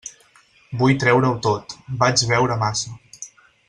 Vull treure-ho tot: vaig beure massa.